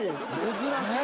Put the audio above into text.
珍しい。